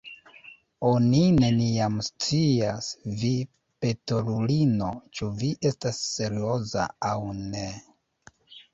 Oni neniam scias, vi petolulino, ĉu vi estas serioza aŭ ne.